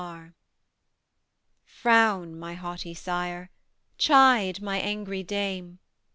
Frown, my haughty sire! chide, my angry dame!